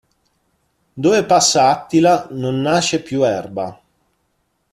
Dove passa Attila non nasce più erba.